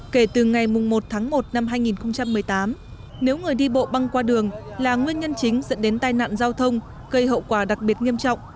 kể từ ngày một tháng một năm hai nghìn một mươi tám nếu người đi bộ băng qua đường là nguyên nhân chính dẫn đến tai nạn giao thông gây hậu quả đặc biệt nghiêm trọng